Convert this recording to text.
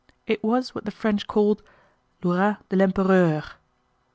It was what the French called "le hourra de l'Empereur."